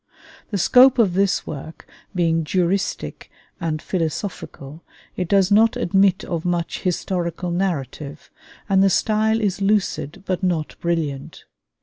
The scope of this work being juristic and philosophical, it does not admit of much historical narrative, and the style is lucid but not brilliant.